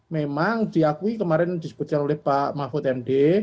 memang diakui kemarin disebutkan oleh pak mahfud md